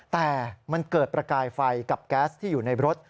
แต่มันเกิดประกายไฟกับแก๊สที่อยู่ในรถ